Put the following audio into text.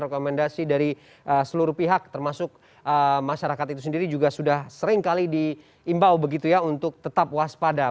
rekomendasi dari seluruh pihak termasuk masyarakat itu sendiri juga sudah seringkali diimbau begitu ya untuk tetap waspada